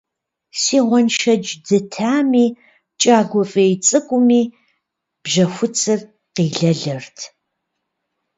Си гъуэншэдж дытами, кӀагуэ фӀей цӀыкӀуми бжьэхуцыр къилэлырт.